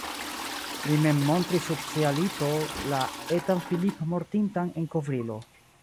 Li mem montris sub sia lito la etan Philippe mortintan en kovrilo.